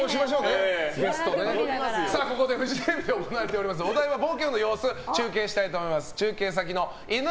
ここでフジテレビで行われているお台場冒険王の様子中継したいと思います。